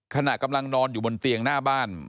ขณะกำลังนอนอยู่บนเตียงหน้าบ้าน